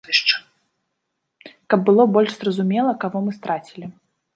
Каб было больш зразумела, каго мы страцілі.